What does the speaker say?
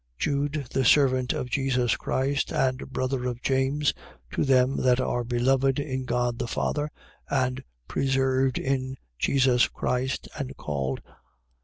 1:1. Jude, the servant of Jesus Christ and brother of James: to them that are beloved in God the Father and preserved in Jesus Christ and called.